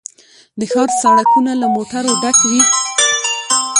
د ښار سړکونه له موټرو ډک وي